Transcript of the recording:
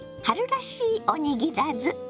春らしいおにぎらず。